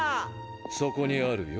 そこにあるよ。